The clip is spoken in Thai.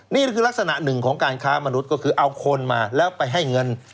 นี่คือลักษณะหนึ่งของการค้ามนุษย์ก็คือเอาคนมาแล้วไปให้เงิน